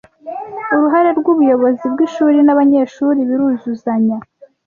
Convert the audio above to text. uruhare rwubuyobozi bwishuri na banyeshuri biruzuzanya